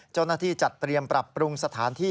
เจ้าหน้าที่จัดเตรียมปรับปรุงสถานที่